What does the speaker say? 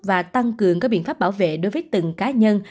và tăng cường các biện pháp bảo vệ đối với từng cá nhân